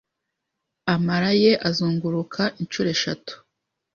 Amara ye azunguruka inshuro eshatu